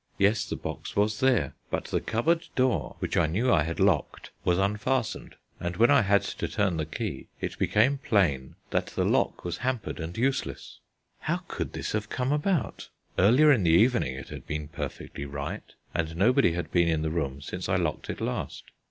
Yes, the box was there, but the cupboard door, which I knew I had locked, was unfastened, and when I had to turn the key it became plain that the lock was hampered and useless. How could this have come about? Earlier in the evening it had been perfectly right, and nobody had been in the room since I locked it last.